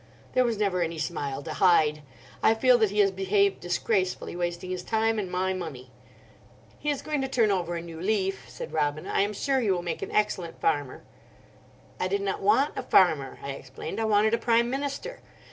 There was never any smile to hide. I feel that he has behaved disgracefully, wasting his time and my money." "He is going to turn over a new leaf;" said Robina: "I am sure he will make an excellent farmer." "I did not want a farmer," I explained; "I wanted a Prime Minister.